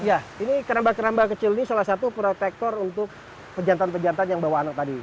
ya ini keramba keramba kecil ini salah satu protektor untuk pejantan pejantan yang bawa anak tadi